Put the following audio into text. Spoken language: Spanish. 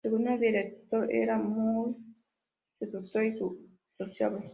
Según el director era muy seductora y muy sociable.